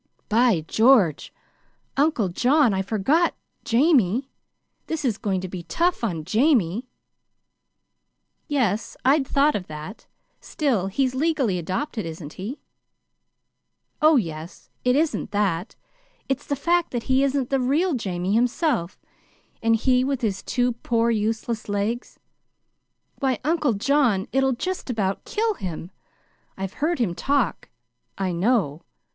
"By George! Uncle John, I forgot Jamie. This is going to be tough on Jamie!" "Yes, I'd thought of that. Still, he's legally adopted, isn't he?" "Oh, yes; it isn't that. It's the fact that he isn't the real Jamie himself and he with his two poor useless legs! Why, Uncle John, it'll just about kill him. I've heard him talk. I know.